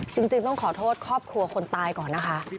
จริงต้องขอโทษครอบครัวคนตายก่อนนะคะ